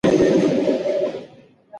لوستې میندې د ماشوم روغ ژوند ته لار هواروي.